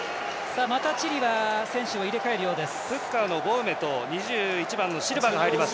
チリはまた選手を入れ替えるようです。